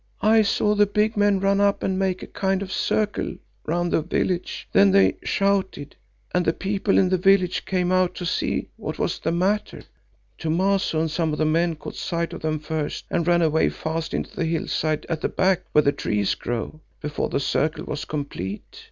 "I saw the big men run up and make a kind of circle round the village. Then they shouted, and the people in the village came out to see what was the matter. Thomaso and some of the men caught sight of them first and ran away fast into the hillside at the back where the trees grow, before the circle was complete.